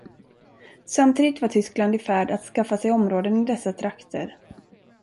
Samtidigt var Tyskland i färd att skaffa sig områden i dessa trakter.